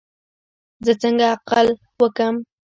زه څنګه نقل وکم؟